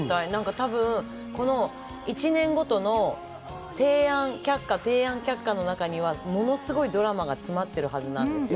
この１年ごとの提案、却下、提案、却下の中にはものすごいドラマが詰まってるはずなんですよ。